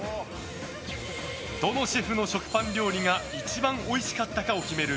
どのシェフの食パン料理が一番おいしかったかを決める